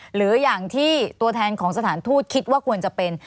หรืออย่างที่ตัวแทนของสถานทูตคิดว่าควรจะเป็น